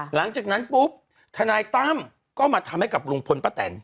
หลังจากนั้นปุ๊บทนายตั้มก็มาทำให้กับลุงพลป้าแตน